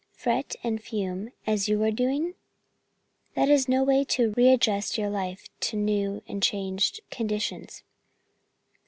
Fret and fume as you are doing? That is no way to readjust your life to new and changed conditions.